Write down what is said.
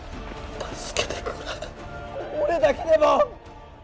助けてくれ俺だけでも！